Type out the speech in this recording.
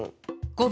５秒！？